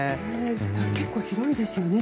結構、広いですよね。